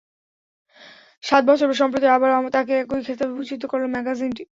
সাত বছর পর সম্প্রতি আবারও তাঁকে একই খেতাবে ভূষিত করল ম্যাগাজিনটি।